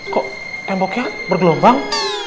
kok temboknya bergelombang